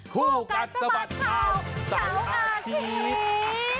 ผู้กัดสบัดข่าวศาลอาทิตย์